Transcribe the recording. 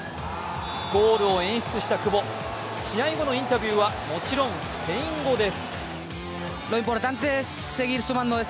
ゴールを演出した久保試合後のインタビューはもちろんスペイン語です。